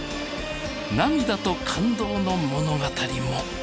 涙と感動の物語も。